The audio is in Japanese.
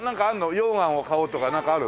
溶岩を買おうとかなんかある？